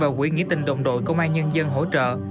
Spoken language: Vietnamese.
và quỹ nghĩa tình đồng đội công an nhân dân hỗ trợ